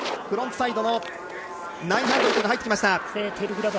フロントサイド９００から入ってきました。